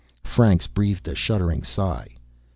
Franks breathed a shuddering sigh.